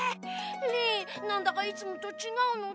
リンなんだかいつもとちがうのだ。